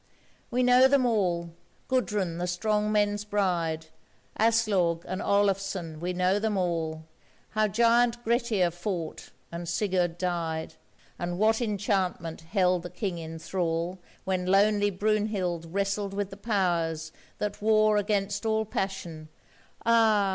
We know them all, Gudrun the strong men's bride, Aslaug and Olafson we know them all, How giant Grettir fought and Sigurd died, And what enchantment held the king in thrall When lonely Brynhild wrestled with the powers That war against all passion, ah!